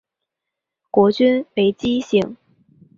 国君为姬姓。